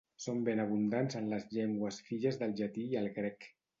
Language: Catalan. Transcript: Són ben abundants en les llengües filles del llatí i el grec.